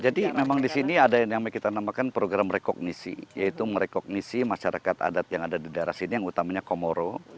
jadi memang di sini ada yang kita namakan program rekognisi yaitu merekognisi masyarakat adat yang ada di daerah sini yang utamanya komoro